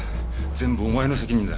全部お前の責任だ。